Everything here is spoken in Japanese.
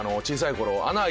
小さい頃穴